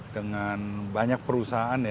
dengan banyak perusahaan ya